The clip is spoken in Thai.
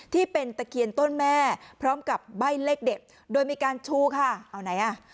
ตะเคียนต้นแม่พร้อมกับใบ้เลขเด็ดโดยมีการชูค่ะเอาไหนอ่ะ